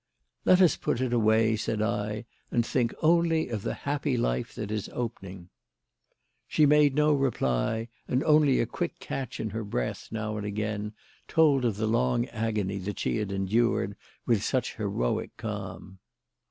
"Let us put it away," said I, "and think only of the happy life that is opening." She made no reply, and only a quick catch in her breath, now and again, told of the long agony that she had endured with such heroic calm.